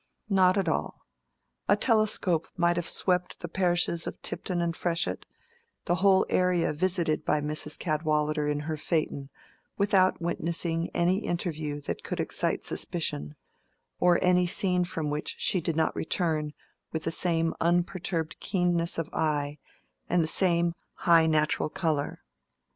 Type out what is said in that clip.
Not at all: a telescope might have swept the parishes of Tipton and Freshitt, the whole area visited by Mrs. Cadwallader in her phaeton, without witnessing any interview that could excite suspicion, or any scene from which she did not return with the same unperturbed keenness of eye and the same high natural color.